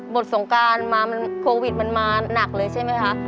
สงการมาโควิดมันมาหนักเลยใช่ไหมคะ